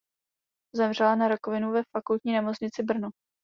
Zemřela na rakovinu ve Fakultní nemocnici Brno.